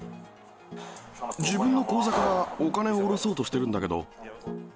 自分の口座からお金を下ろそうとしてるんだけど。